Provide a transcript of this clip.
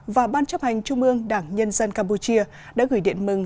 và ban chấp hành trung ương đảng nhân dân campuchia đã gửi điện mừng